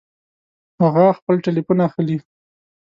هغه خپل ټيليفون اخلي